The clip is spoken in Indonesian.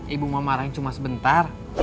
ibu mau marahin cuma sebentar